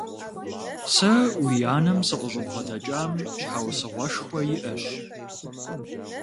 Сэ уи анэм сыкъыщӀыбгъэдэкӀам щхьэусыгъуэшхуэ иӀэщ.